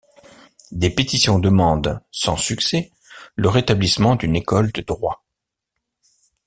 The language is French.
Des pétitions demandent, sans succès, le rétablissement d'une école de droit.